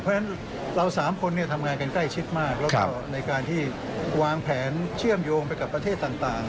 เพราะฉะนั้นเรา๓คนทำงานกันใกล้ชิดมากแล้วก็ในการที่วางแผนเชื่อมโยงไปกับประเทศต่าง